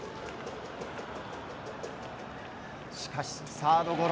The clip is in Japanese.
しかしサードゴロ。